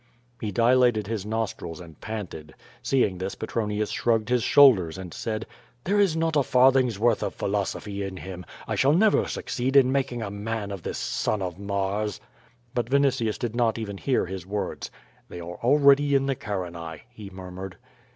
He dilated his nostrils and panted. Seeing this Petronius shrugged his shoulders and said: "There is not a farthing's worth of philosophy in him; I shall never succeed in making a man of this son of Mars.'^ But Vinitius did not even hear his words. "They are already in the Carinae," he murmured.